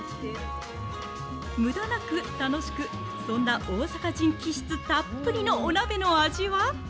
むだなく楽しく、そんな大阪人気質たっぷりのお鍋の味は？